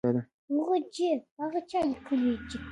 ما ورته وویل: زما په خونه کې یوه کوچنۍ بسته پرته ده.